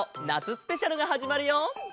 スペシャルがはじまるよ！